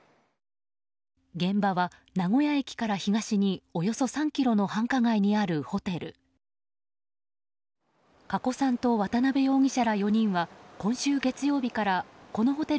現場は名古屋駅から東におよそ３ｋｍの繁華街にあるホテル。